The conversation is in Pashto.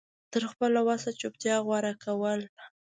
تر خپله وسه چوپتيا غوره کول